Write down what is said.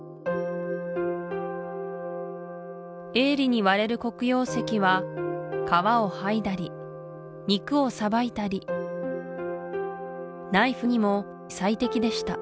鋭利に割れる黒曜石は皮を剥いだり肉をさばいたりナイフにも最適でした